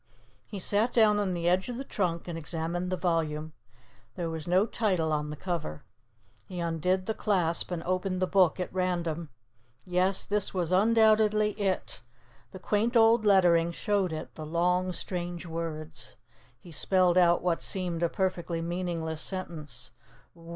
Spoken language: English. He sat down on the edge of the trunk and examined the volume. There was no title on the cover. He undid the clasp and opened the Book at random. Yes, this was undoubtedly it. The quaint old lettering showed it, the long strange words. He spelled out what seemed a perfectly meaningless sentence.